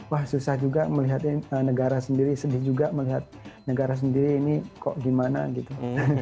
wah susah juga melihatnya negara sendiri sedih juga melihat negara sendiri ini kok gimana gitu